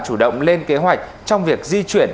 chủ động lên kế hoạch trong việc di chuyển